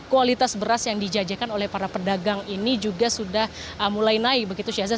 kualitas beras yang dijajakan oleh para pedagang ini juga sudah mulai naik begitu syaza